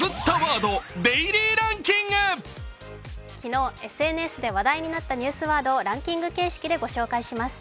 昨日ＳＮＳで話題になったニュースワードをランキング形式で紹介します。